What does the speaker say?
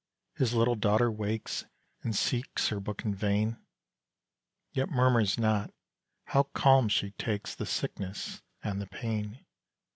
his little daughter wakes, And seeks her book in vain, Yet murmurs not how calm she takes The sickness and the pain.